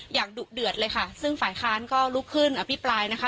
ดุเดือดเลยค่ะซึ่งฝ่ายค้านก็ลุกขึ้นอภิปรายนะคะ